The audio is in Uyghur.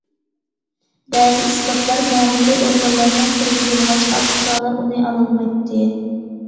بەزى ئىسپاتلار مەمۇرىي ئورگانلارنىڭ قولىدا بولغاچقا، پۇقرالار ئۇنى ئالالمايتتى.